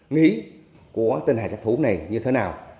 nghĩ của tên hà thủ này như thế nào